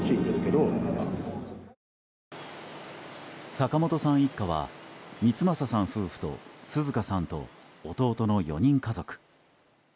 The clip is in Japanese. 坂本さん一家は光正さん夫婦と紗花さんと弟の４人家族。